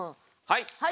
はい。